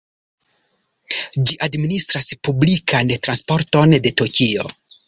Ĝi administras publikan transporton de Tokio.